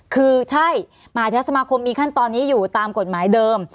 คือใช่มหาเทศสมาคมมีขั้นตอนนี้อยู่ตามกฎหมายเดิม